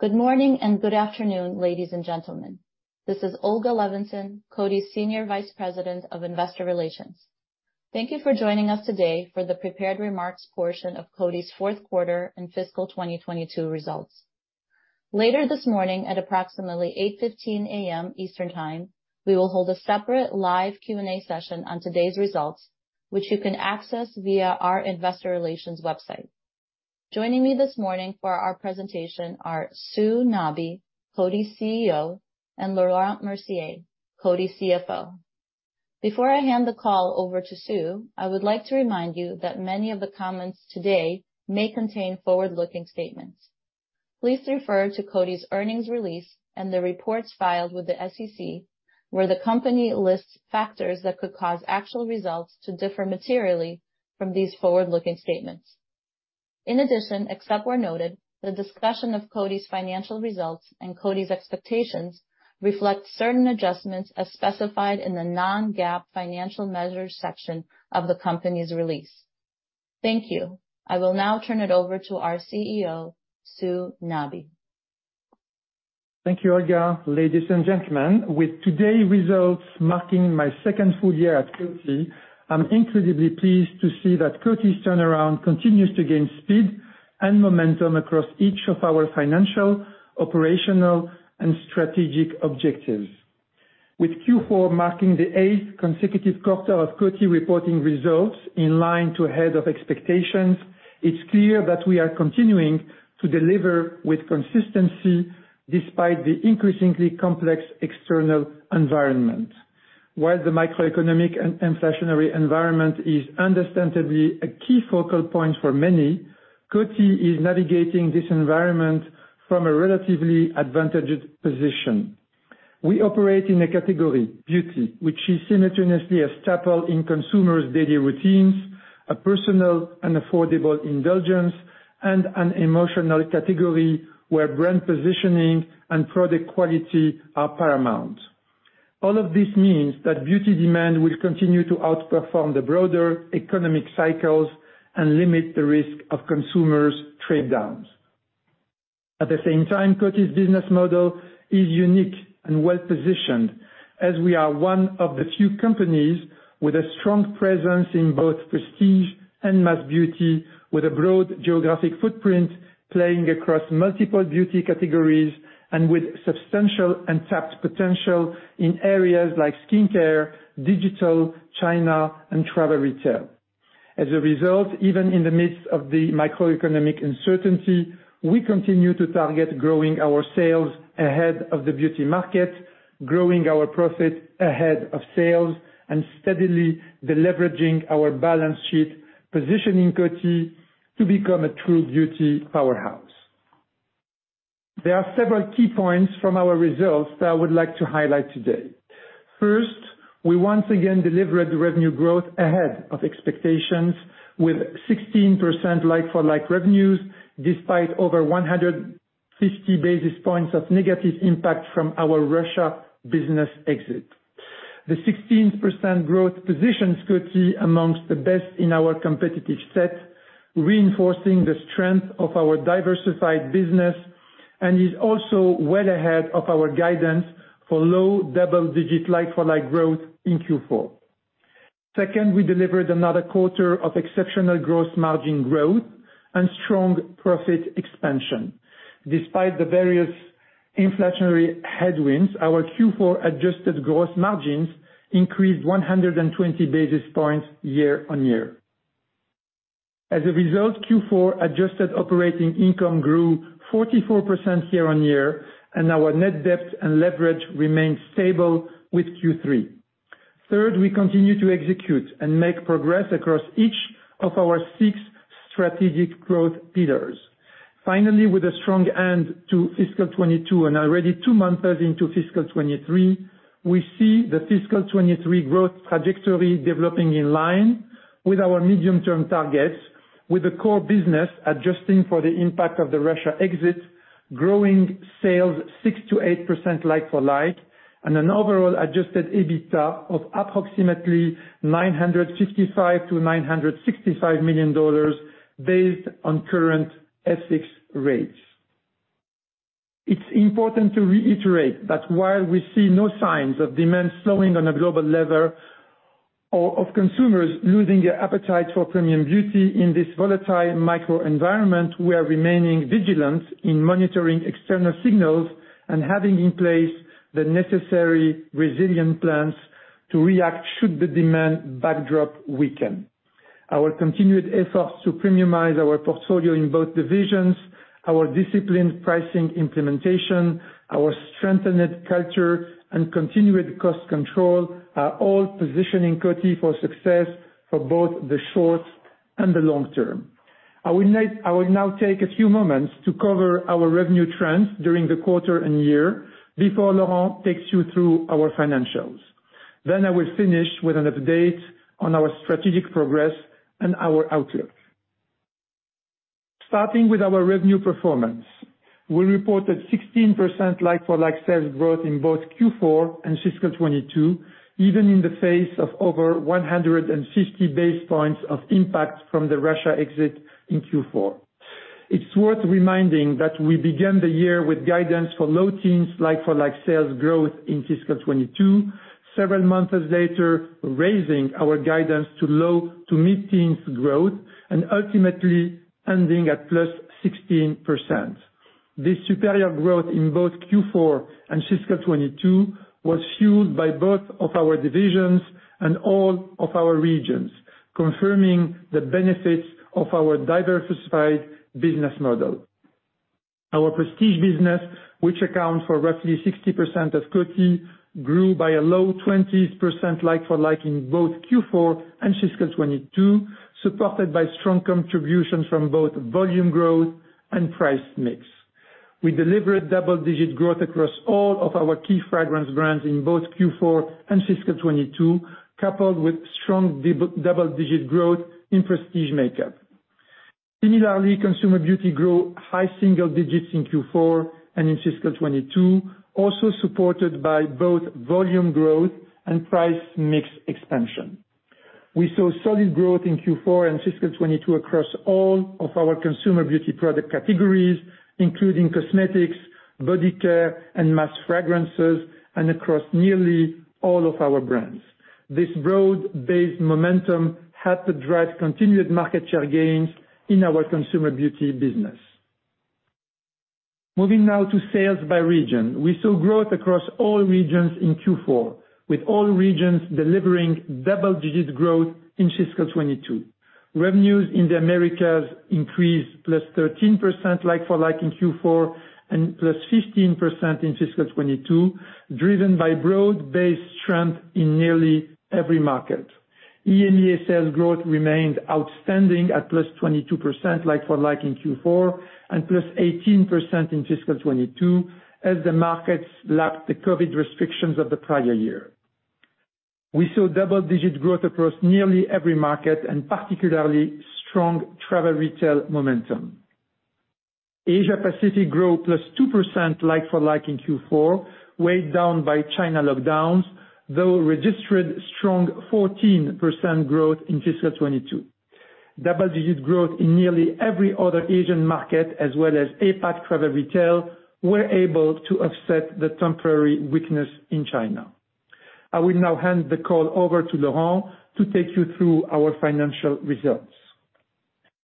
Good morning and good afternoon, ladies and gentlemen. This is Olga Levinzon, Coty's Senior Vice President of Investor Relations. Thank you for joining us today for the prepared remarks portion of Coty's fourth quarter and fiscal 2022 results. Later this morning, at approximately 8:15 A.M. Eastern Time, we will hold a separate live Q&A session on today's results, which you can access via our investor relations website. Joining me this morning for our presentation are Sue Nabi, Coty's CEO, and Laurent Mercier, Coty's CFO. Before I hand the call over to Sue, I would like to remind you that many of the comments today may contain forward-looking statements. Please refer to Coty's earnings release and the reports filed with the SEC, where the company lists factors that could cause actual results to differ materially from these forward-looking statements. In addition, except where noted, the discussion of Coty's financial results and Coty's expectations reflect certain adjustments as specified in the non-GAAP financial measures section of the company's release. Thank you. I will now turn it over to our CEO, Sue Nabi. Thank you, Olga. Ladies and gentlemen, with today's results marking my second full year at Coty, I'm incredibly pleased to see that Coty's turnaround continues to gain speed and momentum across each of our financial, operational, and strategic objectives. With Q4 marking the eighth consecutive quarter of Coty reporting results in line with or ahead of expectations, it's clear that we are continuing to deliver with consistency despite the increasingly complex external environment. While the macroeconomic and inflationary environment is understandably a key focal point for many, Coty is navigating this environment from a relatively advantaged position. We operate in a category, beauty, which is simultaneously a staple in consumers' daily routines, a personal and affordable indulgence, and an emotional category where brand positioning and product quality are paramount. All of this means that beauty demand will continue to outperform the broader economic cycles and limit the risk of consumers' trade downs. At the same time, Coty's business model is unique and well-positioned, as we are one of the few companies with a strong presence in both prestige and mass beauty, with a broad geographic footprint playing across multiple beauty categories and with substantial untapped potential in areas like skincare, digital, China, and travel retail. As a result, even in the midst of the macroeconomic uncertainty, we continue to target growing our sales ahead of the beauty market, growing our profit ahead of sales, and steadily deleveraging our balance sheet, positioning Coty to become a true beauty powerhouse. There are several key points from our results that I would like to highlight today. First, we once again delivered the revenue growth ahead of expectations with 16% like-for-like revenues, despite over 150 basis points of negative impact from our Russia business exit. The 16% growth positions Coty amongst the best in our competitive set, reinforcing the strength of our diversified business, and is also well ahead of our guidance for low double-digit like-for-like growth in Q4. Second, we delivered another quarter of exceptional gross margin growth and strong profit expansion. Despite the various inflationary headwinds, our Q4 adjusted gross margins increased 120 basis points year on year. As a result, Q4 adjusted operating income grew 44% year on year, and our net debt and leverage remained stable with Q3. Third, we continue to execute and make progress across each of our six strategic growth pillars. Finally, with a strong end to fiscal 2022 and already two months into fiscal 2023, we see the fiscal 2023 growth trajectory developing in line with our medium-term targets, with the core business adjusting for the impact of the Russia exit, growing sales 6%-8% like-for-like, and an overall Adjusted EBITDA of approximately $955 million-$965 million based on current FX rates. It's important to reiterate that while we see no signs of demand slowing on a global level or of consumers losing their appetite for premium beauty, in this volatile microenvironment, we are remaining vigilant in monitoring external signals and having in place the necessary resilient plans to react should the demand backdrop weaken. Our continued efforts to premiumize our portfolio in both divisions, our disciplined pricing implementation, our strengthened culture, and continued cost control are all positioning Coty for success for both the short and the long term. I will now take a few moments to cover our revenue trends during the quarter and year before Laurent takes you through our financials. Then I will finish with an update on our strategic progress and our outlook. Starting with our revenue performance, we reported 16% like-for-like sales growth in both Q4 and fiscal 2022, even in the face of over 150 basis points of impact from the Russia exit in Q4. It’s worth reminding that we began the year with guidance for low teens like-for-like sales growth in fiscal 2022, several months later raising our guidance to low to mid-teens growth and ultimately ending at +16%. This superior growth in both Q4 and fiscal 2022 was fueled by both of our divisions and all of our regions, confirming the benefits of our diversified business model. Our prestige business, which accounts for roughly 60% of Coty, grew by a low 20% like-for-like in both Q4 and fiscal 2022, supported by strong contributions from both volume growth and price mix. We delivered double-digit growth across all of our key fragrance brands in both Q4 and fiscal 2022, coupled with strong double-digit growth in prestige makeup. Similarly, consumer beauty grew high single digits in Q4 and in fiscal 2022, also supported by both volume growth and price mix expansion. We saw solid growth in Q4 and fiscal 2022 across all of our consumer beauty product categories, including cosmetics, body care, and mass fragrances, and across nearly all of our brands. This broad-based momentum helped to drive continued market share gains in our consumer beauty business. Moving now to sales by region. We saw growth across all regions in Q4, with all regions delivering double-digit growth in fiscal 2022. Revenues in the Americas increased +13% like-for-like in Q4, and +15% in fiscal 2022, driven by broad-based trend in nearly every market. EAME sales growth remained outstanding at +22% like-for-like in Q4 and +18% in fiscal 2022 as the markets lacked the COVID restrictions of the prior year. We saw double-digit growth across nearly every market and particularly strong travel retail momentum. Asia Pacific grew +2% like-for-like in Q4, weighed down by China lockdowns, though registered strong 14% growth in fiscal 2022. Double-digit growth in nearly every other Asian market as well as APAC travel retail were able to offset the temporary weakness in China. I will now hand the call over to Laurent to take you through our financial results.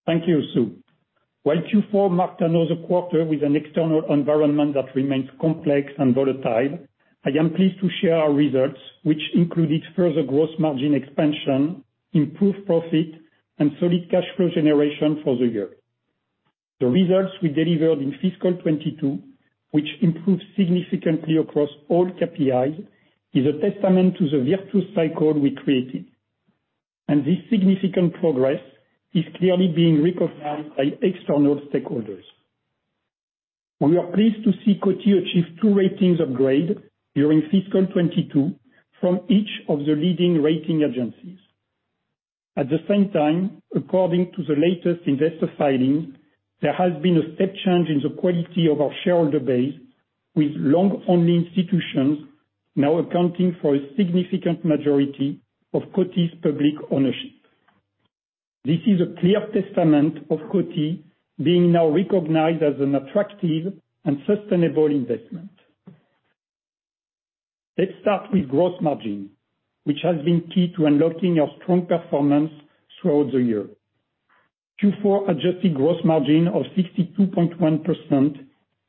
Thank you, Sue. While Q4 marked another quarter with an external environment that remains complex and volatile, I am pleased to share our results, which included further gross margin expansion, improved profit, and solid cash flow generation for the year. The results we delivered in fiscal 2022, which improved significantly across all KPIs, is a testament to the virtuous cycle we created. This significant progress is clearly being recognized by external stakeholders. We are pleased to see Coty achieve two ratings upgrades during fiscal 2022 from each of the leading rating agencies. At the same time, according to the latest investor filings, there has been a step change in the quality of our shareholder base, with long-only institutions now accounting for a significant majority of Coty's public ownership. This is a clear testament of Coty being now recognized as an attractive and sustainable investment. Let's start with gross margin, which has been key to unlocking our strong performance throughout the year. Q4 adjusted gross margin of 62.1%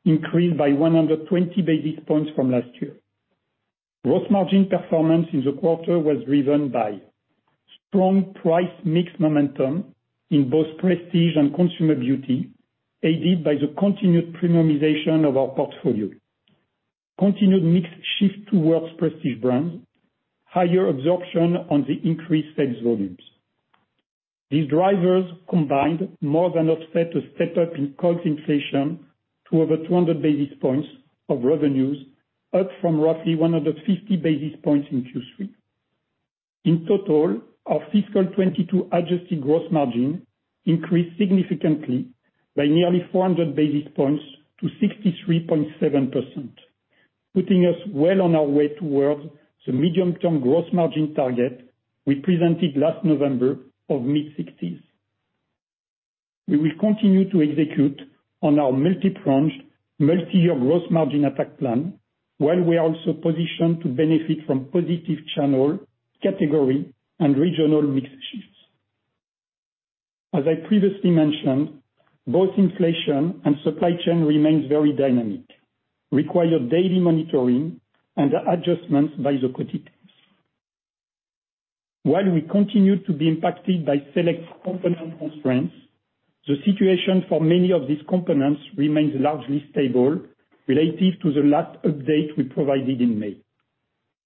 increased by 120 basis points from last year. Gross margin performance in the quarter was driven by strong price mix momentum in both prestige and consumer beauty, aided by the continued premiumization of our portfolio, continued mix shift towards prestige brands, higher absorption on the increased sales volumes. These drivers combined more than offset a step-up in cost inflation to over 200 basis points of revenues, up from roughly 150 basis points in Q3. In total, our fiscal 2022 adjusted gross margin increased significantly by nearly 400 basis points to 63.7%, putting us well on our way towards the medium-term gross margin target we presented last November of mid-60s. We will continue to execute on our multipronged, multi-year gross margin attack plan, while we are also positioned to benefit from positive channel, category, and regional mix shifts. As I previously mentioned, both inflation and supply chain remain very dynamic, require daily monitoring and adjustments by the Coty teams. While we continue to be impacted by select component constraints, the situation for many of these components remains largely stable relative to the last update we provided in May.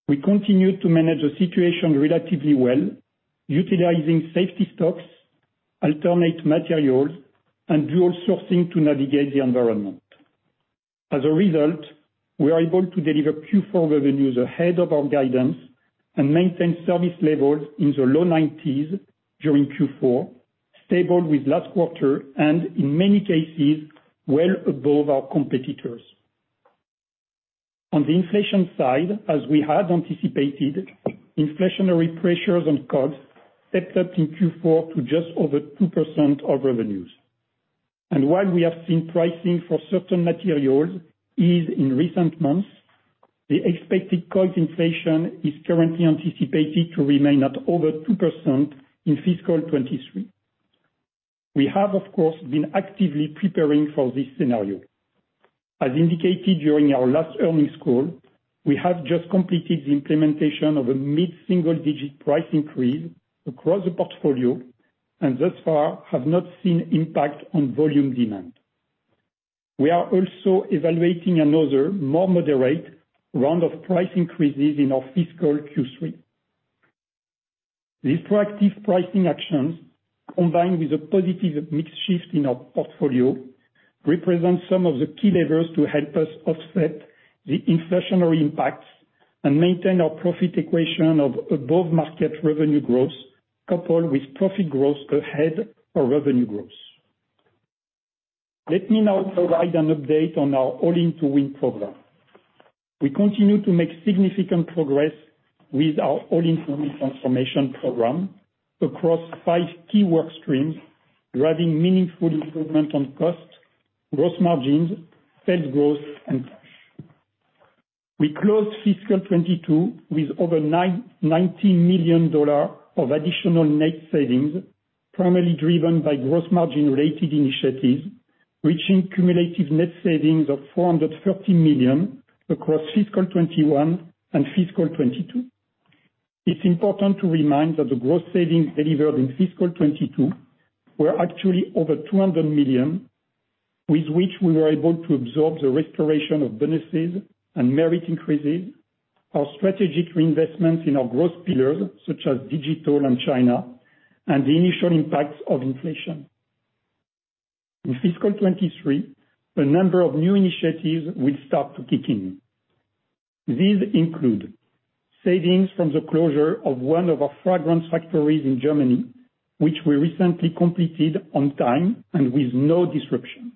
We continue to manage the situation relatively well, utilizing safety stocks, alternate materials, and dual sourcing to navigate the environment. As a result, we are able to deliver Q4 revenues ahead of our guidance and maintain service levels in the low 90% during Q4, stable with last quarter, and in many cases well above our competitors. On the inflation side, as we had anticipated, inflationary pressures on costs stepped up in Q4 to just over 2% of revenues. While we have seen pricing for certain materials ease in recent months, the expected cost inflation is currently anticipated to remain at over 2% in fiscal 2023. We have, of course, been actively preparing for this scenario. As indicated during our last earnings call, we have just completed the implementation of a mid-single-digit price increase across the portfolio, and thus far have not seen impact on volume demand. We are also evaluating another more moderate round of price increases in our fiscal Q3. These proactive pricing actions, combined with a positive mix shift in our portfolio, represent some of the key levers to help us offset the inflationary impacts and maintain our profit equation of above-market revenue growth, coupled with profit growth ahead of revenue growth. Let me now provide an update on our All In to Win program. We continue to make significant progress with our All In to Win transformation program across five key work streams, driving meaningful improvement on cost, gross margins, spend growth, and cash. We closed fiscal 2022 with over $990 million of additional net savings, primarily driven by gross margin-related initiatives, reaching cumulative net savings of $430 million across fiscal 2021 and fiscal 2022. It's important to remind that the gross savings delivered in fiscal 2022 were actually over $200 million, with which we were able to absorb the restoration of bonuses and merit increases, our strategic reinvestments in our growth pillars, such as digital and China, and the initial impacts of inflation. In fiscal 2023, a number of new initiatives will start to kick in. These include savings from the closure of one of our fragrance factories in Germany, which we recently completed on time and with no disruption.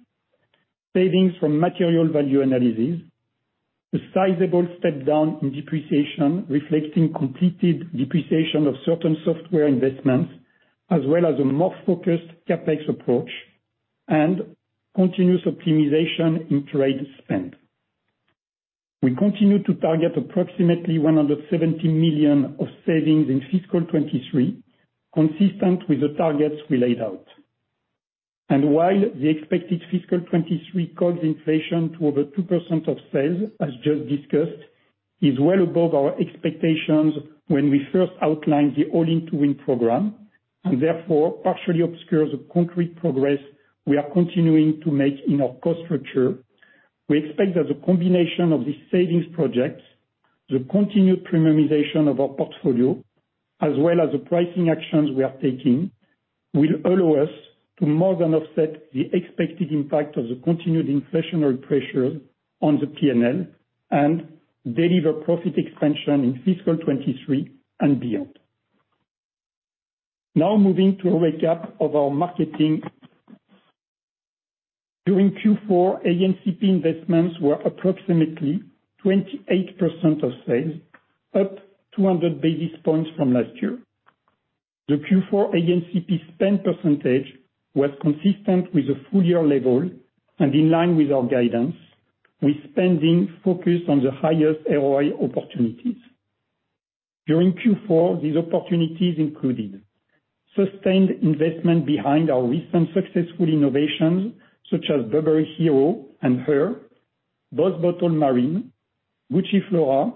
Savings from material value analysis, a sizable step-down in depreciation, reflecting completed depreciation of certain software investments, as well as a more focused CapEx approach and continuous optimization in trade spend. We continue to target approximately $170 million of savings in fiscal 2023, consistent with the targets we laid out. While the expected fiscal 2023 cost inflation to over 2% of sales, as just discussed, is well above our expectations when we first outlined the All-in to Win program, and therefore partially obscures the concrete progress we are continuing to make in our cost structure, we expect that the combination of these savings projects, the continued premiumization of our portfolio, as well as the pricing actions we are taking, will allow us to more than offset the expected impact of the continued inflationary pressure on the P&L and deliver profit expansion in fiscal 2023 and beyond. Now moving to a recap of our marketing. During Q4, ANCP investments were approximately 28% of sales, up 200 basis points from last year. The Q4 ANCP spend percentage was consistent with the full year level and in line with our guidance, with spending focused on the highest ROI opportunities. During Q4, these opportunities included sustained investment behind our recent successful innovations such as Burberry Hero and Her, BOSS Bottled Marine, Gucci Flora,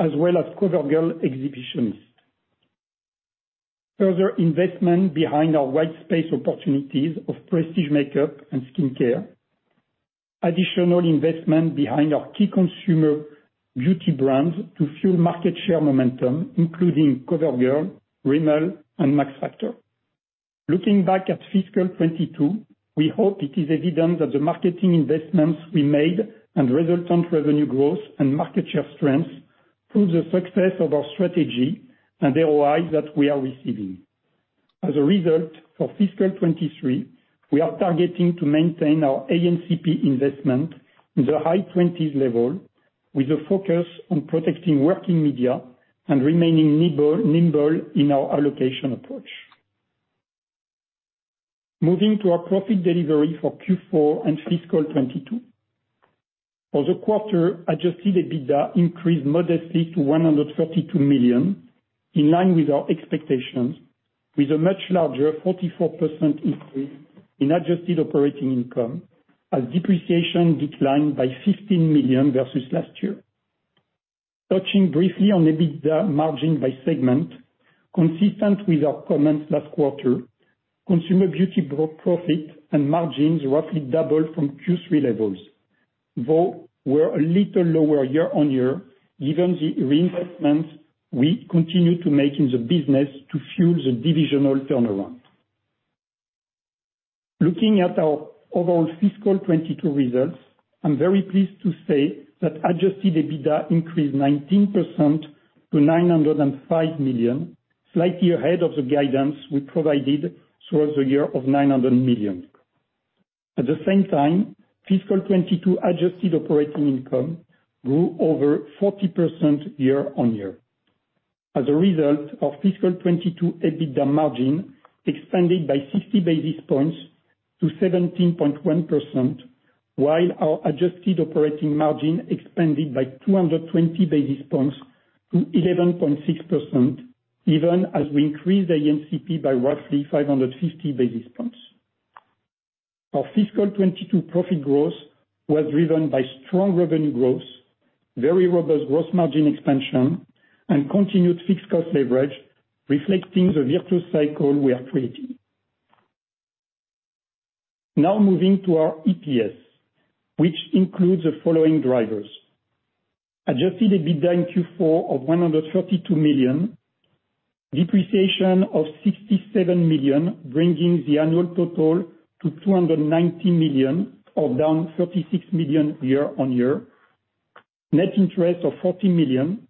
as well as CoverGirl Exhibitionist. Further investment behind our white space opportunities of prestige makeup and skincare. Additional investment behind our key consumer beauty brands to fuel market share momentum, including CoverGirl, Rimmel, and Max Factor. Looking back at fiscal 2022, we hope it is evident that the marketing investments we made and resultant revenue growth and market share strengths prove the success of our strategy and the ROI that we are receiving. As a result, for fiscal 2023, we are targeting to maintain our ANCP investment in the high 20s level, with a focus on protecting working media and remaining nimble in our allocation approach. Moving to our profit delivery for Q4 and fiscal 2022. For the quarter, Adjusted EBITDA increased modestly to $132 million, in line with our expectations, with a much larger 44% increase in adjusted operating income as depreciation declined by $15 million versus last year. Touching briefly on the EBITDA margin by segment, consistent with our comments last quarter, Consumer Beauty gross profit and margins roughly doubled from Q3 levels, though were a little lower year-on-year, given the reinvestments we continue to make in the business to fuel the divisional turnaround. Looking at our overall fiscal 2022 results, I'm very pleased to say that Adjusted EBITDA increased 19% to $905 million, slightly ahead of the guidance we provided towards the year of $900 million. At the same time, fiscal 2022 adjusted operating income grew over 40% year-on-year. As a result of fiscal 2022 EBITDA margin expanded by 60 basis points to 17.1%, while our adjusted operating margin expanded by 220 basis points to 11.6%, even as we increased ANCP by roughly 550 basis points. Our fiscal 2022 profit growth was driven by strong revenue growth, very robust gross margin expansion, and continued fixed cost leverage, reflecting the virtuous cycle we are creating. Now moving to our EPS, which includes the following drivers. Adjusted EBITDA in Q4 of $132 million, depreciation of $67 million, bringing the annual total to $290 million or down $36 million year-on-year. Net interest of $40 million,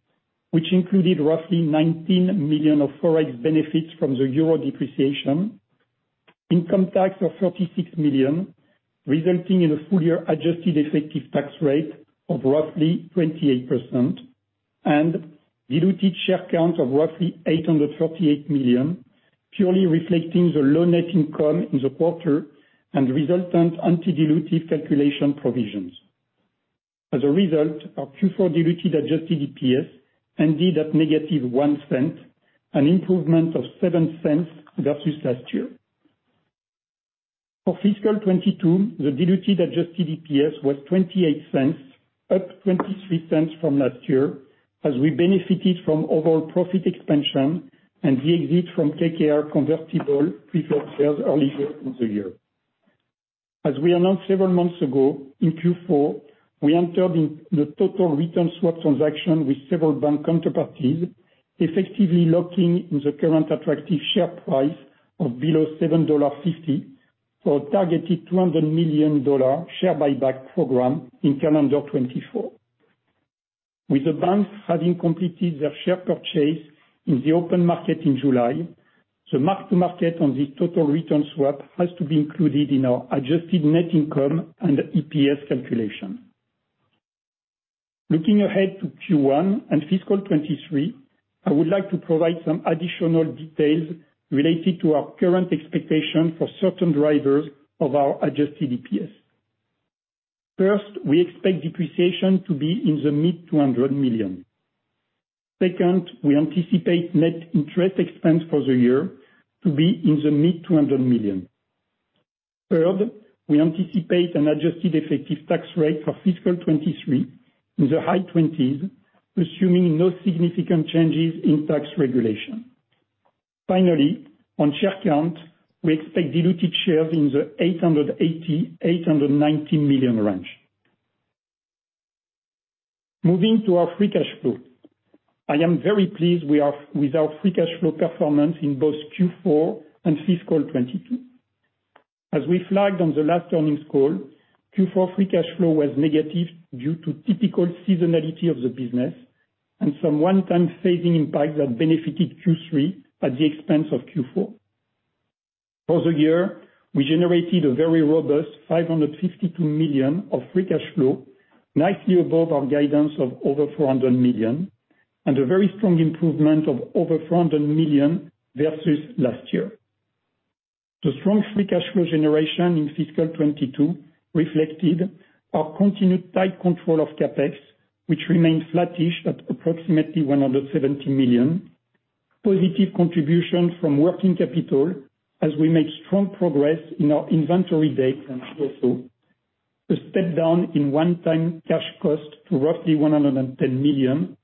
which included roughly $19 million of Forex benefits from the euro depreciation. Income tax of $36 million, resulting in a full year adjusted effective tax rate of roughly 28% and diluted share count of roughly $838 million, purely reflecting the low net income in the quarter and resultant anti-dilutive calculation provisions. As a result, our Q4 diluted adjusted EPS ended at -$0.01, an improvement of $0.07 versus last year. For fiscal 2022, the diluted adjusted EPS was $0.28, up $0.23 from last year as we benefited from overall profit expansion and the exit from KKR convertible preferred shares earlier in the year. As we announced several months ago, in Q4, we entered into the total return swap transaction with several bank counterparties, effectively locking in the current attractive share price below $7.50 for a targeted $200 million share buyback program in calendar 2024. With the banks having completed their share purchase in the open market in July, the mark-to-market on the total return swap has to be included in our adjusted net income and EPS calculation. Looking ahead to Q1 and fiscal 2023, I would like to provide some additional details related to our current expectation for certain drivers of our adjusted EPS. First, we expect depreciation to be in the mid-$200 million. Second, we anticipate net interest expense for the year to be in the mid-$200 million. Third, we anticipate an adjusted effective tax rate for fiscal 2023 in the high 20%, assuming no significant changes in tax regulation. Finally, on share count, we expect diluted shares in the $880-890 million range. Moving to our Free Cash Flow. I am very pleased with our Free Cash Flow performance in both Q4 and fiscal 2022. As we flagged on the last earnings call, Q4 free cash flow was negative due to typical seasonality of the business and some one-time saving impacts that benefited Q3 at the expense of Q4. For the year, we generated a very robust $552 million of Free Cash Flow, nicely above our guidance of over $400 million, and a very strong improvement of over $400 million versus last year. The strong Free Cash Flow generation in fiscal 2022 reflected our continued tight control of CapEx, which remains flattish at approximately $170 million. Positive contribution from working capital as we make strong progress in our inventory days and also a step down in one-time cash costs to roughly $110 million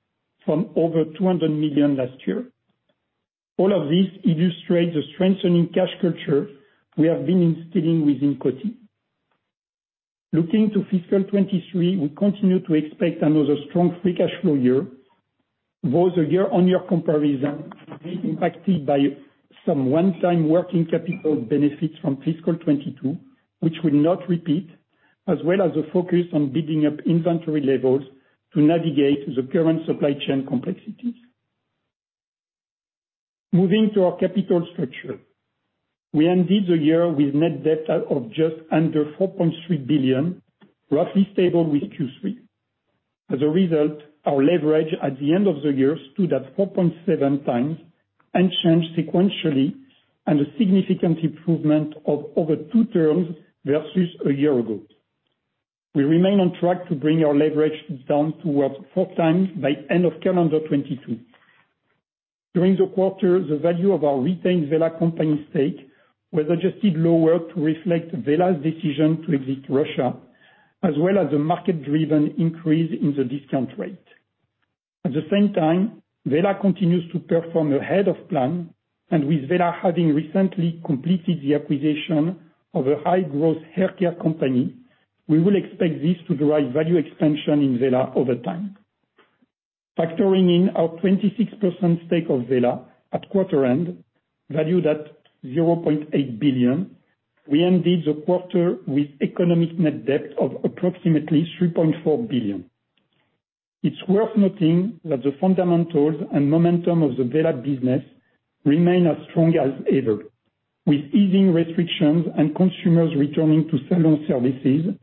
from over $200 million last year. All of this illustrates a strengthening cash culture we have been instilling within Coty. Looking to fiscal 2023, we continue to expect another strong Free Cash Flow year. Both a year-on-year comparison will be impacted by some one-time working capital benefits from fiscal 2022, which will not repeat, as well as a focus on building up inventory levels to navigate the current supply chain complexities. Moving to our capital structure. We ended the year with net debt of just under $4.3 billion, roughly stable with Q3. As a result, our leverage at the end of the year stood at 4.7x, unchanged sequentially, and a significant improvement of over two turns versus a year ago. We remain on track to bring our leverage down towards 4x by end of calendar 2022. During the quarter, the value of our retained Wella company stake was adjusted lower to reflect Wella's decision to exit Russia, as well as a market-driven increase in the discount rate. At the same time, Wella continues to perform ahead of plan, and with Wella having recently completed the acquisition of a high-growth haircare company, we will expect this to drive value expansion in Wella over time. Factoring in our 26% stake of Wella at quarter end, valued at $0.8 billion, we ended the quarter with economic net debt of approximately $3.4 billion. It's worth noting that the fundamentals and momentum of the Wella business remain as strong as ever, with easing restrictions and consumers returning to salon services,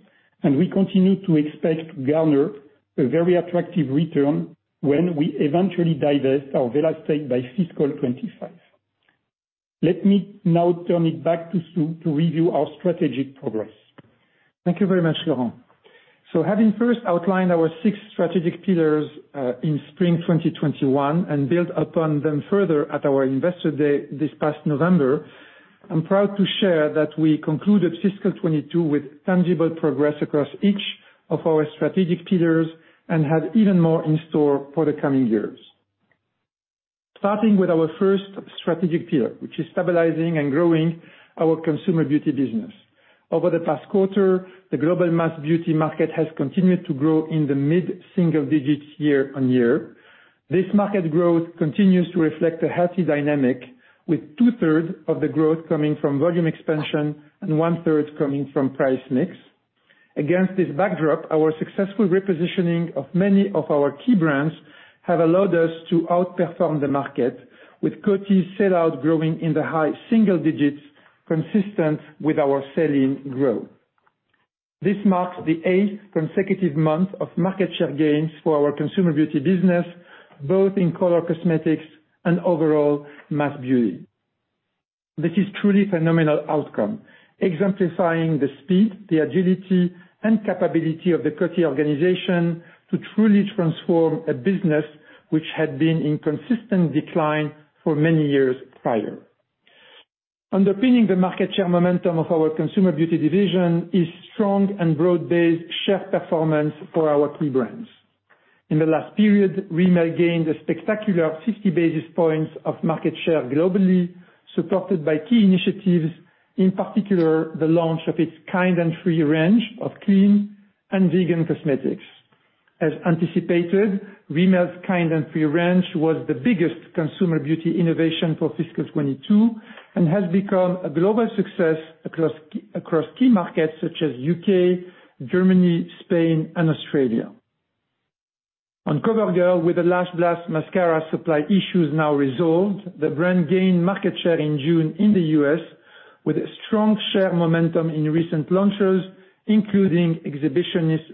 and we continue to expect to garner a very attractive return when we eventually divest our Wella stake by fiscal 2025. Let me now turn it back to Sue to review our strategic progress. Thank you very much, Laurent. Having first outlined our six strategic pillars in spring 2021, and built upon them further at our investor day this past November, I'm proud to share that we concluded fiscal 2022 with tangible progress across each of our strategic pillars and have even more in store for the coming years. Starting with our first strategic pillar, which is stabilizing and growing our consumer beauty business. Over the past quarter, the global mass beauty market has continued to grow in the mid-single digits year-on-year. This market growth continues to reflect a healthy dynamic, with 2/3 of the growth coming from volume expansion and one-third coming from price mix. Against this backdrop, our successful repositioning of many of our key brands have allowed us to outperform the market, with Coty's sell-out growing in the high single digits consistent with our sell-in growth. This marks the eight consecutive months of market share gains for our consumer beauty business, both in color cosmetics and overall mass beauty. This is truly phenomenal outcome, exemplifying the speed, the agility and capability of the Coty organization to truly transform a business which had been in consistent decline for many years prior. Underpinning the market share momentum of our consumer beauty division is strong and broad-based share performance for our key brands. In the last period, Rimmel gained a spectacular 50 basis points of market share globally, supported by key initiatives, in particular, the launch of its Kind & Free range of clean and vegan cosmetics. As anticipated, Rimmel's Kind & Free range was the biggest consumer beauty innovation for fiscal 2022 and has become a global success across key markets such as U.K., Germany, Spain and Australia. On CoverGirl, with the Lash Blast mascara supply issues now resolved, the brand gained market share in June in the U.S., with strong share momentum in recent launches, including Exhibitionist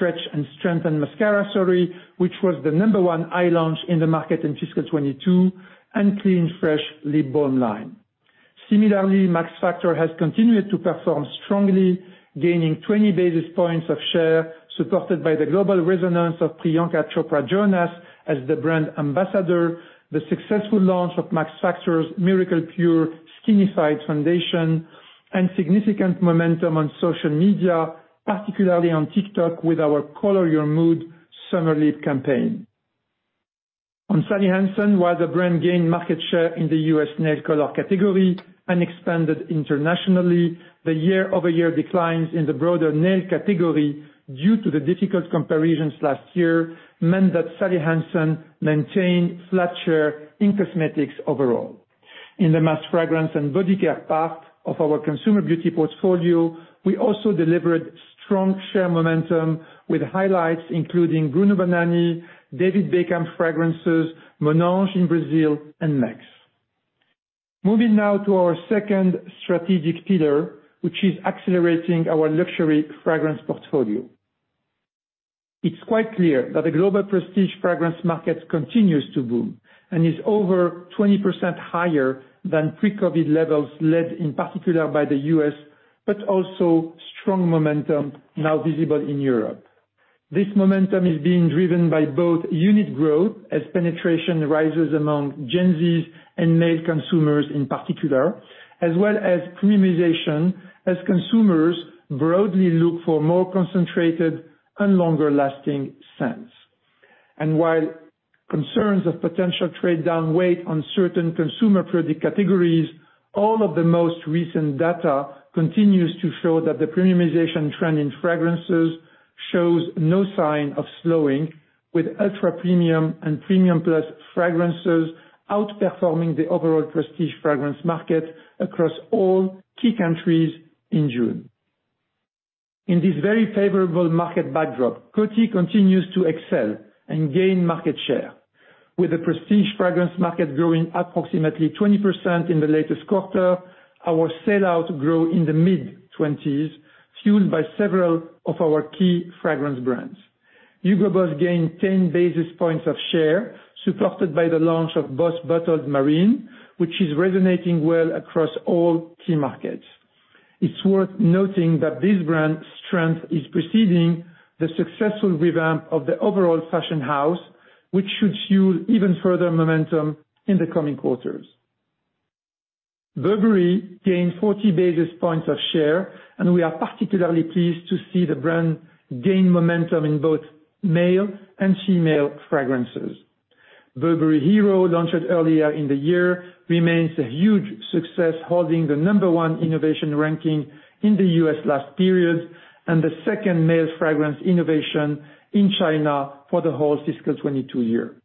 Stretch & Strengthen Mascara, which was the number one eye launch in the market in fiscal 2022, and Clean Fresh Lip Balm line. Similarly, Max Factor has continued to perform strongly, gaining 20 basis points of share, supported by the global resonance of Priyanka Chopra Jonas as the brand ambassador, the successful launch of Max Factor's Miracle Pure Skin-Improving Foundation, and significant momentum on social media, particularly on TikTok, with our Color Your Mood summer lip campaign. On Sally Hansen, while the brand gained market share in the U.S. nail color category and expanded internationally, the year-over-year declines in the broader nail category due to the difficult comparisons last year meant that Sally Hansen maintained flat share in cosmetics overall. In the mass fragrance and body care part of our consumer beauty portfolio, we also delivered strong share momentum with highlights including bruno banani, David Beckham fragrances, Monange in Brazil, and Max. Moving now to our second strategic pillar, which is accelerating our luxury fragrance portfolio. It's quite clear that the global prestige fragrance market continues to boom and is over 20% higher than pre-COVID levels, led in particular by the U.S., but also strong momentum now visible in Europe. This momentum is being driven by both unit growth as penetration rises among Gen Z and male consumers in particular, as well as premiumization as consumers broadly look for more concentrated and longer lasting scents. While concerns of potential trade down weight on certain consumer product categories, all of the most recent data continues to show that the premiumization trend in fragrances shows no sign of slowing, with ultra premium and premium plus fragrances outperforming the overall prestige fragrance market across all key countries in June. In this very favorable market backdrop, Coty continues to excel and gain market share. With the prestige fragrance market growing approximately 20% in the latest quarter, our sell-out growth in the mid-20s, fueled by several of our key fragrance brands. Hugo BOSS gained 10 basis points of share, supported by the launch of BOSS Bottled Marine, which is resonating well across all key markets. It's worth noting that this brand strength is preceding the successful revamp of the overall fashion house, which should fuel even further momentum in the coming quarters. Burberry gained 40 basis points of share, and we are particularly pleased to see the brand gain momentum in both male and female fragrances. Burberry Hero, launched earlier in the year, remains a huge success, holding the number one innovation ranking in the U.S. last period, and the second male fragrance innovation in China for the whole fiscal 2022 year.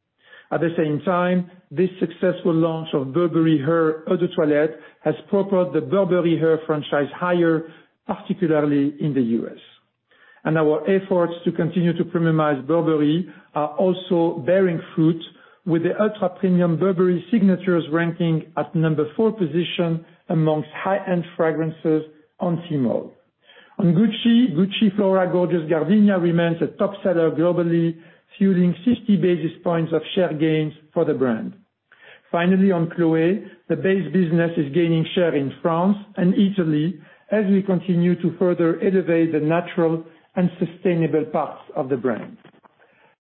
At the same time, this successful launch of Burberry Her Eau de Toilette has propelled the Burberry Her franchise higher, particularly in the U.S. Our efforts to continue to premiumize Burberry are also bearing fruit with the ultra-premium Burberry signatures ranking at number four position amongst high-end fragrances on Tmall. On Gucci Flora Gorgeous Gardenia remains a top seller globally, fueling 60 basis points of share gains for the brand. Finally, on Chloé, the base business is gaining share in France and Italy as we continue to further elevate the natural and sustainable parts of the brand.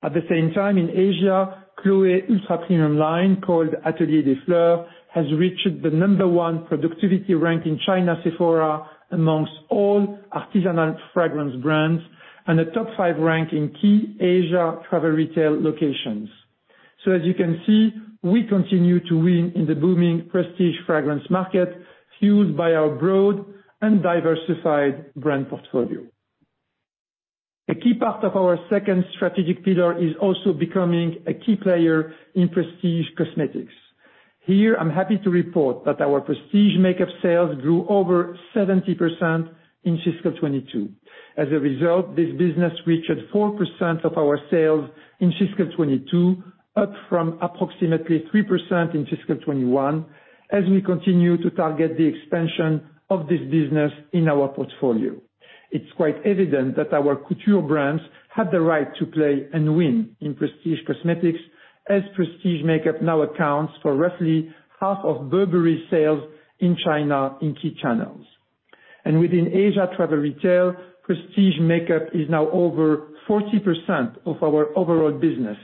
At the same time, in Asia, Chloé ultra-premium line called Atelier des Fleurs has reached the number one productivity rank in Sephora China amongst all artisanal fragrance brands, and a top five rank in key Asia travel retail locations. As you can see, we continue to win in the booming prestige fragrance market, fueled by our broad and diversified brand portfolio. A key part of our second strategic pillar is also becoming a key player in prestige cosmetics. Here, I'm happy to report that our prestige makeup sales grew over 70% in fiscal 2022. As a result, this business reached 4% of our sales in fiscal 2022, up from approximately 3% in fiscal 2021, as we continue to target the expansion of this business in our portfolio. It's quite evident that our couture brands have the right to play and win in prestige cosmetics, as prestige makeup now accounts for roughly half of Burberry sales in China in key channels. Within Asia travel retail, prestige makeup is now over 40% of our overall business,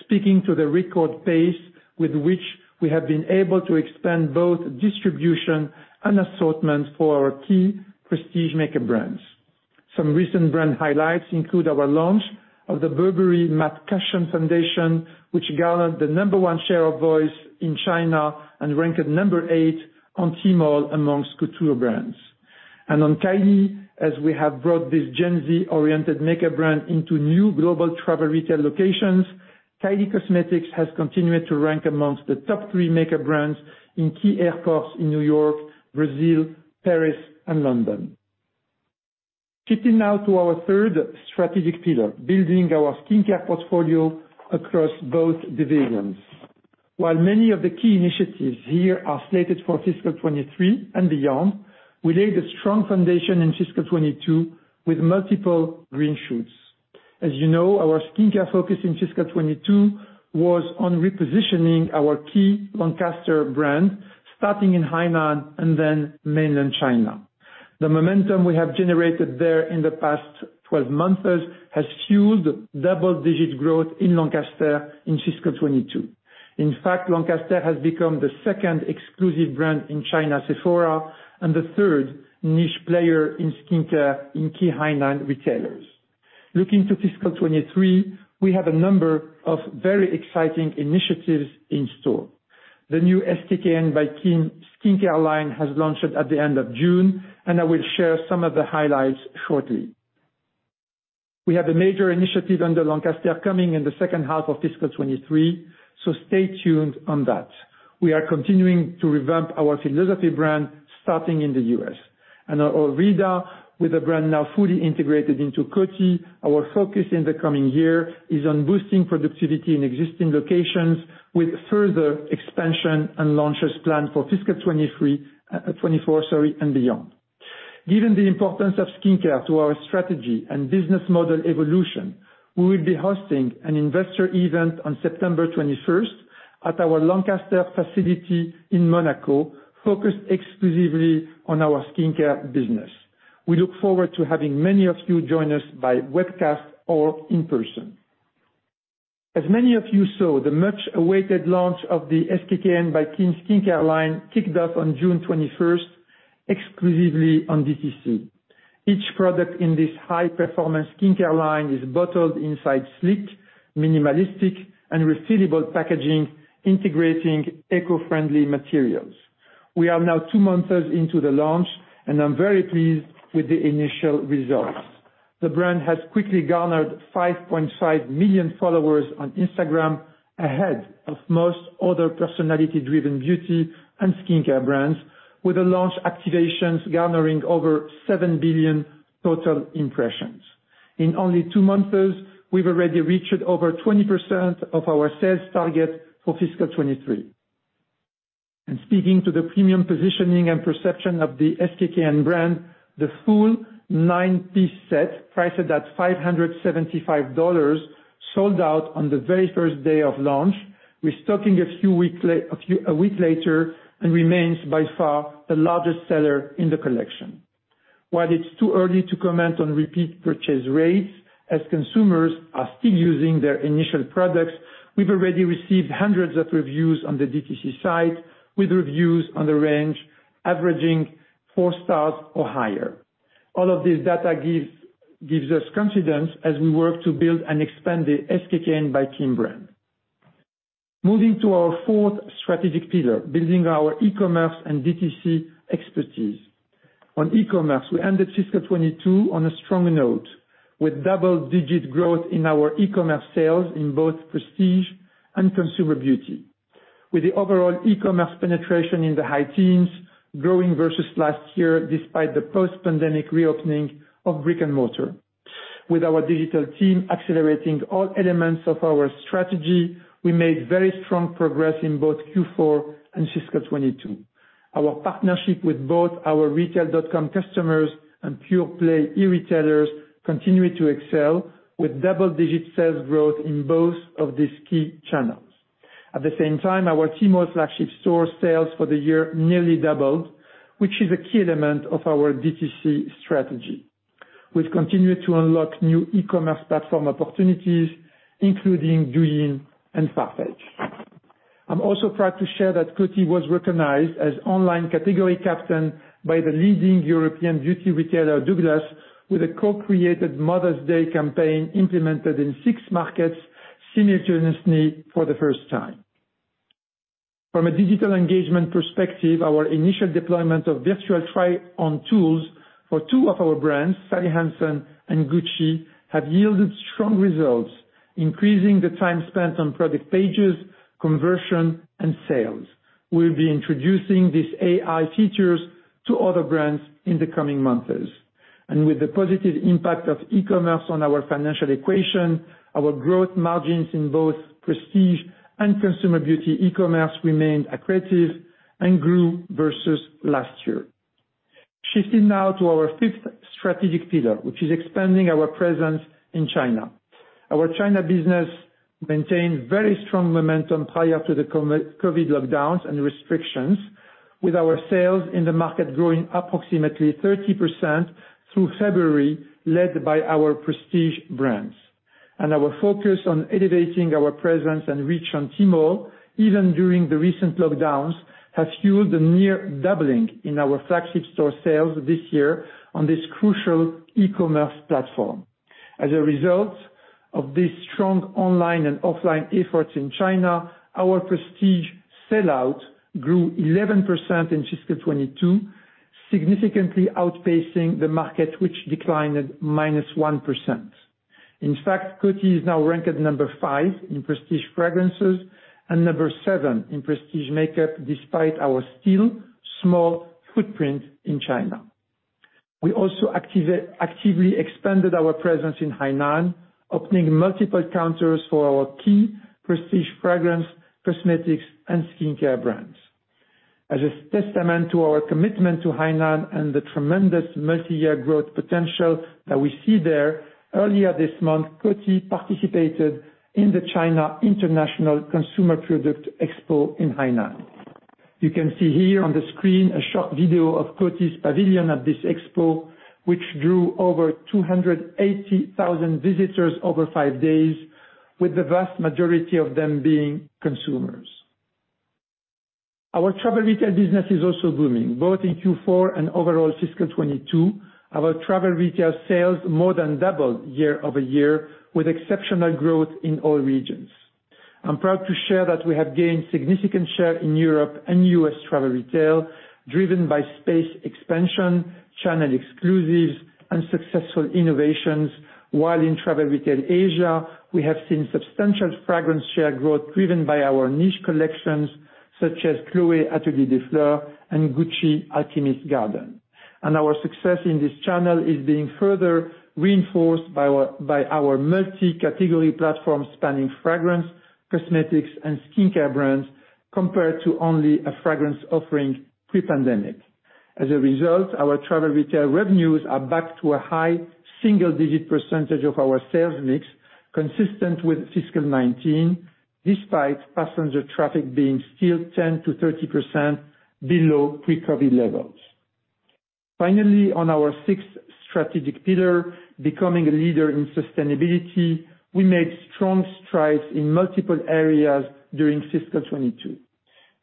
speaking to the record pace with which we have been able to expand both distribution and assortment for our key prestige makeup brands. Some recent brand highlights include our launch of the Burberry Beyond Wear Perfecting Matte Cushion, which garnered the number one share of voice in China and ranked at number eight on Tmall amongst couture brands. On Kylie, as we have brought this Gen Z-oriented makeup brand into new global travel retail locations, Kylie Cosmetics has continued to rank amongst the top three makeup brands in key airports in New York, Brazil, Paris, and London. Getting now to our third strategic pillar, building our skincare portfolio across both divisions. While many of the key initiatives here are slated for fiscal 2023 and beyond, we laid a strong foundation in fiscal 2022 with multiple green shoots. As you know, our skincare focus in fiscal 2022 was on repositioning our key Lancaster brand, starting in Hainan and then mainland China. The momentum we have generated there in the past 12 months has fueled double-digit growth in Lancaster in fiscal 2022. In fact, Lancaster has become the second exclusive brand in Sephora in China and the third niche player in skincare in key Hainan retailers. Looking to fiscal 2023, we have a number of very exciting initiatives in store. The new SKKN by Kim skincare line has launched at the end of June, and I will share some of the highlights shortly. We have a major initiative under Lancaster coming in the second half of fiscal 2023, so stay tuned on that. We are continuing to revamp our Philosophy brand starting in the U.S. Our Aveda, with the brand now fully integrated into Coty, our focus in the coming year is on boosting productivity in existing locations with further expansion and launches planned for fiscal 2023, 2024, and beyond. Given the importance of skincare to our strategy and business model evolution, we will be hosting an investor event on September 21st at our Lancaster facility in Monaco, focused exclusively on our skincare business. We look forward to having many of you join us by webcast or in person. As many of you saw, the much-awaited launch of the SKKN BY KIM skincare line kicked off on June 21st, exclusively on DTC. Each product in this high-performance skincare line is bottled inside sleek, minimalistic, and refillable packaging, integrating eco-friendly materials. We are now two months into the launch, and I'm very pleased with the initial results. The brand has quickly garnered 5.5 million followers on Instagram, ahead of most other personality-driven beauty and skincare brands, with the launch activations garnering over 7 billion total impressions. In only two months, we've already reached over 20% of our sales target for fiscal 2023. Speaking to the premium positioning and perception of the SKKN brand, the full nine-piece set, priced at $575, sold out on the very first day of launch, restocking a few weeks later, and remains by far the largest seller in the collection. While it's too early to comment on repeat purchase rates, as consumers are still using their initial products, we've already received hundreds of reviews on the DTC site, with reviews on the range averaging four stars or higher. All of this data gives us confidence as we work to build and expand the SKKN BY KIM brand. Moving to our fourth strategic pillar, building our e-commerce and DTC expertise. On e-commerce, we ended fiscal 2022 on a stronger note, with double-digit growth in our e-commerce sales in both prestige and consumer beauty. With the overall e-commerce penetration in the high teens growing versus last year despite the post-pandemic reopening of brick and mortar. With our digital team accelerating all elements of our strategy, we made very strong progress in both Q4 and fiscal 2022. Our partnership with both our retail.com customers and pure play e-retailers continue to excel with double-digit sales growth in both of these key channels. At the same time, our Tmall flagship store sales for the year nearly doubled, which is a key element of our DTC strategy. We've continued to unlock new e-commerce platform opportunities, including Douyin and Farfetch. I'm also proud to share that Coty was recognized as online category captain by the leading European beauty retailer, Douglas, with a co-created Mother's Day campaign implemented in six markets simultaneously for the first time. From a digital engagement perspective, our initial deployment of virtual try-on tools for two of our brands, Sally Hansen and Gucci, have yielded strong results, increasing the time spent on product pages, conversion, and sales. We'll be introducing these AI features to other brands in the coming months. With the positive impact of e-commerce on our financial equation, our growth margins in both prestige and consumer beauty e-commerce remained accretive and grew versus last year. Shifting now to our fifth strategic pillar, which is expanding our presence in China. Our China business maintained very strong momentum prior to the co-COVID lockdowns and restrictions, with our sales in the market growing approximately 30% through February, led by our prestige brands. Our focus on elevating our presence and reach on Tmall, even during the recent lockdowns, has fueled a near doubling in our flagship store sales this year on this crucial e-commerce platform. As a result of this strong online and offline efforts in China, our prestige sellout grew 11% in fiscal 2022, significantly outpacing the market, which declined at -1%. In fact, Coty is now ranked at number five in prestige fragrances and number seven in prestige makeup, despite our still small footprint in China. We also actively expanded our presence in Hainan, opening multiple counters for our key prestige fragrance, cosmetics, and skincare brands. As a testament to our commitment to Hainan and the tremendous multi-year growth potential that we see there, earlier this month, Coty participated in the China International Consumer Products Expo in Hainan. You can see here on the screen a short video of Coty's pavilion at this expo, which drew over 280,000 visitors over five days, with the vast majority of them being consumers. Our travel retail business is also booming, both in Q4 and overall fiscal 2022. Our travel retail sales more than doubled year-over-year, with exceptional growth in all regions. I'm proud to share that we have gained significant share in Europe and U.S. travel retail driven by space expansion, channel exclusives, and successful innovations. While in travel retail Asia, we have seen substantial fragrance share growth driven by our niche collections such as Chloé Atelier des Fleurs and Gucci The Alchemist's Garden. Our success in this channel is being further reinforced by our multi-category platform spanning fragrance, cosmetics, and skincare brands, compared to only a fragrance offering pre-pandemic. As a result, our travel retail revenues are back to a high single-digit percentage of our sales mix, consistent with fiscal 2019, despite passenger traffic being still 10%-30% below pre-COVID levels. Finally, on our sixth strategic pillar, becoming a leader in sustainability, we made strong strides in multiple areas during fiscal 2022.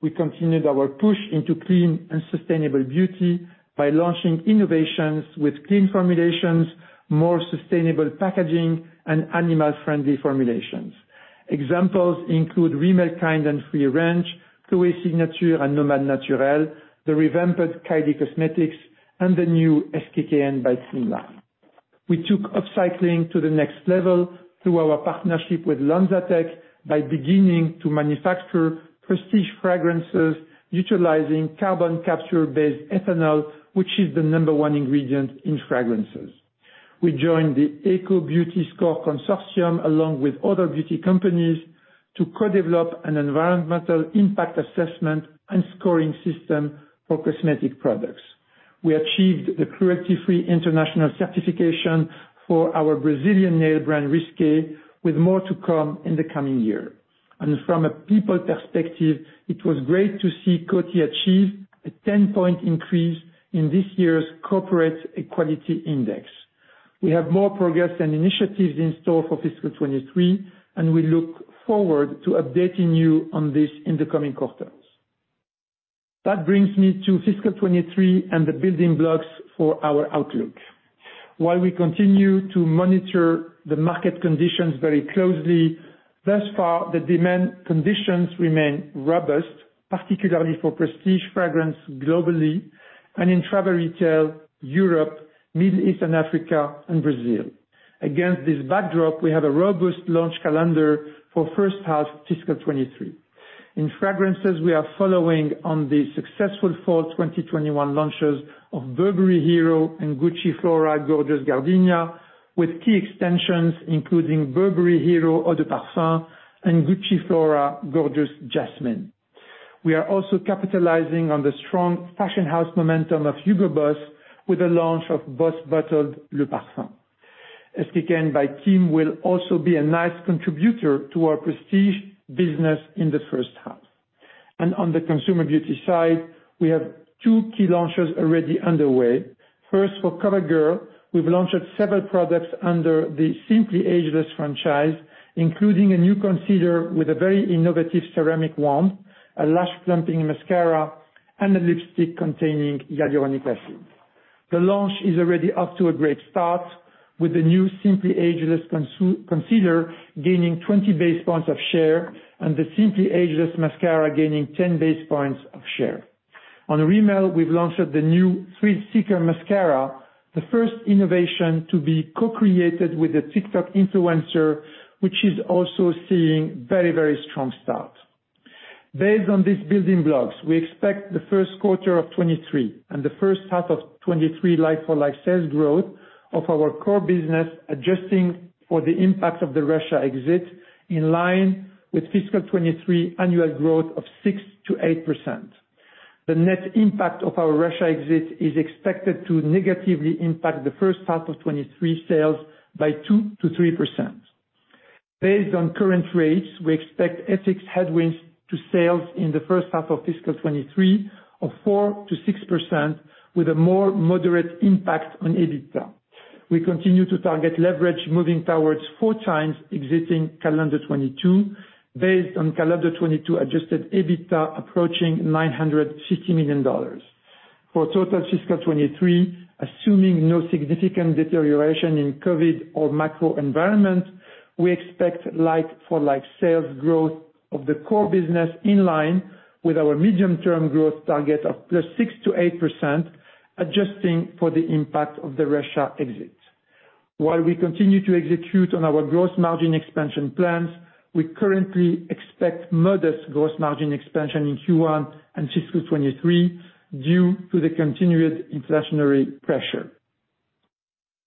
We continued our push into clean and sustainable beauty by launching innovations with clean formulations, more sustainable packaging, and animal-friendly formulations. Examples include Rimmel Kind & Free, Chloé Signature, and Chloé Nomade Naturelle, the revamped Kylie Cosmetics, and the new SKKN by Kim. We took upcycling to the next level through our partnership with LanzaTech by beginning to manufacture prestige fragrances utilizing carbon capture-based ethanol, which is the number one ingredient in fragrances. We joined the EcoBeautyScore Consortium, along with other beauty companies, to co-develop an environmental impact assessment and scoring system for cosmetic products. We achieved the cruelty-free international certification for our Brazilian nail brand, Risqué, with more to come in the coming year. From a people perspective, it was great to see Coty achieve a 10-point increase in this year's Corporate Equality Index. We have more progress and initiatives in store for fiscal 2023, and we look forward to updating you on this in the coming quarters. That brings me to fiscal 2023 and the building blocks for our outlook. While we continue to monitor the market conditions very closely, thus far, the demand conditions remain robust, particularly for prestige fragrance globally and in travel retail, Europe, Middle East and Africa, and Brazil. Against this backdrop, we have a robust launch calendar for first half fiscal 2023. In fragrances, we are following on the successful fall 2021 launches of Burberry Hero and Gucci Flora Gorgeous Gardenia, with key extensions including Burberry Hero Eau de Parfum and Gucci Flora Gorgeous Jasmine. We are also capitalizing on the strong fashion house momentum of Hugo Boss with the launch of Boss Bottled Parfum. SKKN by Kim will also be a nice contributor to our prestige business in the first half. On the consumer beauty side, we have two key launches already underway. First, for CoverGirl, we've launched several products under the Simply Ageless franchise, including a new concealer with a very innovative ceramic wand, a lash plumping mascara, and a lipstick containing hyaluronic acid. The launch is already up to a great start with the new Simply Ageless Concealer gaining 20 basis points of share, and the Simply Ageless mascara gaining 10 basis points of share. On Rimmel, we've launched the new Thrill Seeker mascara, the first innovation to be co-created with a TikTok influencer, which is also seeing very, very strong start. Based on these building blocks, we expect the first quarter of 2023 and the first half of 2023 like-for-like sales growth of our core business, adjusting for the impact of the Russia exit, in line with fiscal 2023 annual growth of 6%-8%. The net impact of our Russia exit is expected to negatively impact the first half of 2023 sales by 2%-3%. Based on current rates, we expect FX headwinds to sales in the first half of fiscal 2023 of 4%-6% with a more moderate impact on EBITDA. We continue to target leverage moving towards 4x exiting calendar 2022 based on calendar 2022 Adjusted EBITDA approaching $950 million. For total fiscal 2023, assuming no significant deterioration in COVID or macro environment, we expect like-for-like sales growth of the core business in line with our medium-term growth target of +6% to 8%, adjusting for the impact of the Russia exit. While we continue to execute on our growth margin expansion plans, we currently expect modest growth margin expansion in Q1 and fiscal 2023 due to the continued inflationary pressure.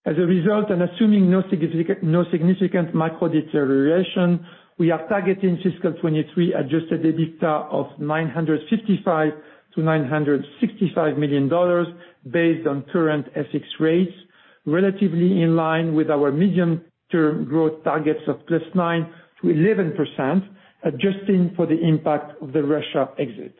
As a result, and assuming no significant macro deterioration, we are targeting fiscal 2023 Adjusted EBITDA of $955 million-$965 million based on current FX rates, relatively in line with our medium-term growth targets of +9% to 11%, adjusting for the impact of the Russia exit.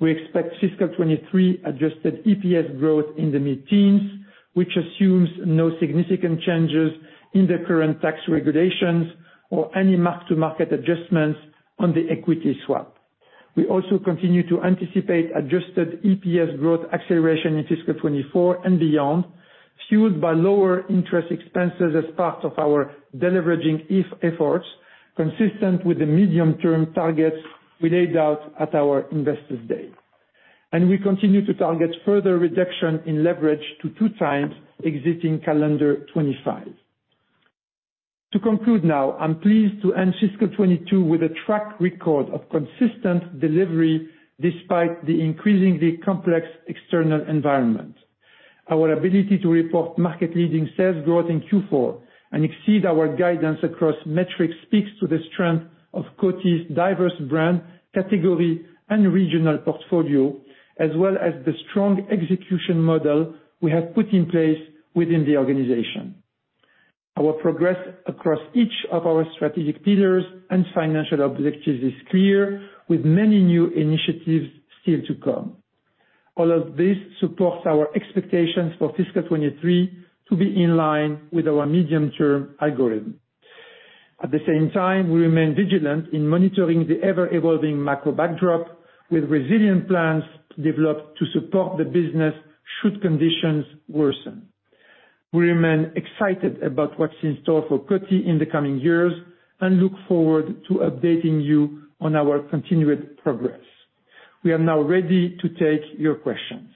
We expect fiscal 2023 adjusted EPS growth in the mid-teens, which assumes no significant changes in the current tax regulations or any mark-to-market adjustments on the equity swap. We also continue to anticipate adjusted EPS growth acceleration in fiscal 2024 and beyond, fueled by lower interest expenses as part of our deleveraging efforts, consistent with the medium-term targets we laid out at our Investors Day. We continue to target further reduction in leverage to 2x exiting calendar 2025. To conclude now, I'm pleased to end fiscal 2022 with a track record of consistent delivery despite the increasingly complex external environment. Our ability to report market-leading sales growth in Q4 and exceed our guidance across metrics speaks to the strength of Coty's diverse brand, category, and regional portfolio, as well as the strong execution model we have put in place within the organization. Our progress across each of our strategic pillars and financial objectives is clear, with many new initiatives still to come. All of this supports our expectations for fiscal 2023 to be in line with our medium-term algorithm. At the same time, we remain vigilant in monitoring the ever-evolving macro backdrop with resilient plans developed to support the business should conditions worsen. We remain excited about what's in store for Coty in the coming years, and look forward to updating you on our continued progress. We are now ready to take your questions.